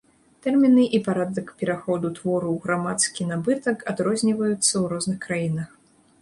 Тэрміны і парадак пераходу твору ў грамадскі набытак адрозніваюцца ў розных краінах.